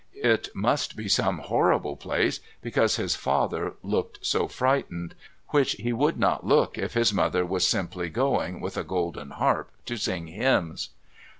It must be some horrible place, because his father looked so frightened, which he would not look if his mother was simply going, with a golden harp, to sing hymns.